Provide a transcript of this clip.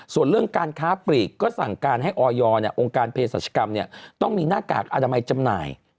ส่วนเรื่องการค้าปลีกก็สั่งการให้ออยองค์การเพศรัชกรรมต้องมีหน้ากากอนามัยจำหน่าย